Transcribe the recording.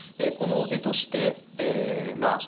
この絵としてえま